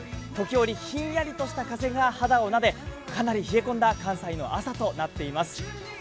時折、ひんやりとした風が肌をなでかなり冷え込んだ関西の朝となっています。